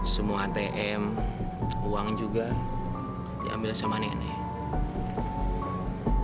semua atm uang juga diambil sama nenek